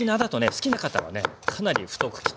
好きな方はねかなり太く切ってね